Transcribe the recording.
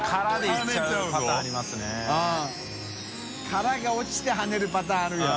未落ちて跳ねるパターンあるよ。